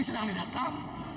ini sedang didatang